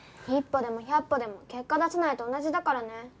一歩でも百歩でも結果出さないと同じだからね。